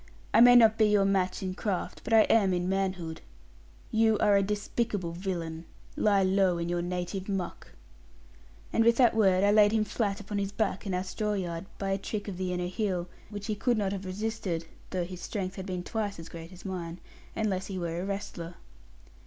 I may not be your match in craft; but I am in manhood. You are a despicable villain. Lie low in your native muck.' And with that word, I laid him flat upon his back in our straw yard, by a trick of the inner heel, which he could not have resisted (though his strength had been twice as great as mine), unless he were a wrestler.